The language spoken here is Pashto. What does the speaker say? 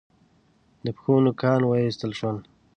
د پښو نوکان و ایستل شول.